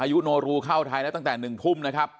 อายุโนรูเข้าไทยแล้วตั้งแต่๑ทุ่มนะครับ